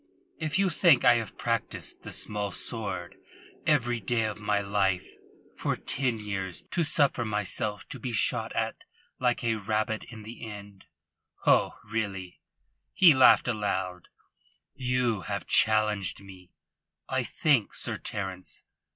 "If you think I have practised the small sword every day of my life for ten years to suffer myself to be shot at like a rabbit in the end ho, really!" He laughed aloud. "You have challenged me, I think, Sir Terence.